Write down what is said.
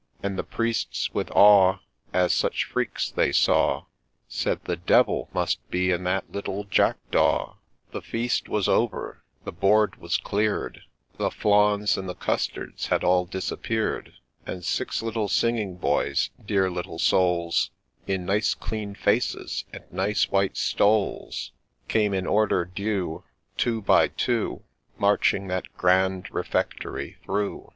' And the priests, with awe, As such freaks they saw, Said, ' The Devil must be in that little Jackdaw I * The feast was over, the board was clear'd, The flawns and the custards had all disappear'd, And six little Singing boys, — dear little souls I In nice clean faces, and nice white stoles, Came, in order due, Two by two, Marching that grand refectory through